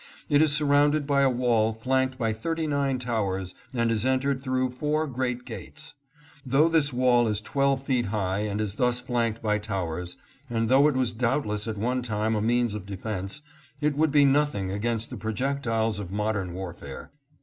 It is surrounded by a wall flanked by thirty nine towers and is entered through four great gates. Though this wall is twelve feet high and is thus flanked by towers, and though it was doubtless at one time a means of defense, it would be nothing against the projectiles of modern warfare.